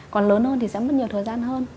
còn lớn hơn thì sẽ mất nhiều thời gian hơn